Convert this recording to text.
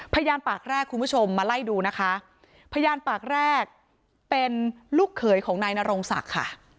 พยานปากแรกคุณผู้ชมมาไล่ดูนะคะพยานปากแรกเป็นลูกเขยของนายนโรงศักดิ์ค่ะ